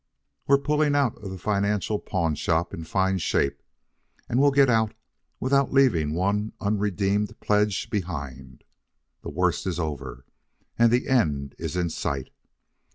We're pulling out of the financial pawnshop in fine shape, and we'll get out without leaving one unredeemed pledge behind. The worst is over, and the end is in sight.